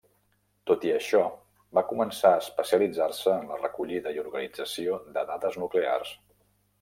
Tot i això, va començar a especialitzar-se en la recollida i organització de dades nuclears.